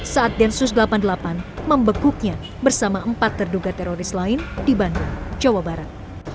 saat densus delapan puluh delapan membekuknya bersama empat terduga teroris lain di bandung jawa barat